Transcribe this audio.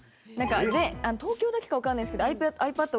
東京だけかわかんないんですけどｉＰａｄ